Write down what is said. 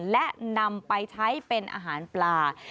และนำไปใช้เป็นอาหารปลา